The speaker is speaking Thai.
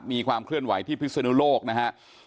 มีความเคลื่อนไหวที่พิศนุโลกนะครับ